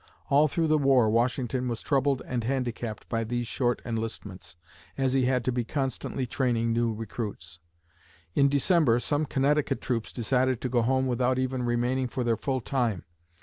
All through the war, Washington was troubled and handicapped by these short enlistments, as he had to be constantly training new recruits. In December, some Connecticut troops decided to go home without even remaining for their full time.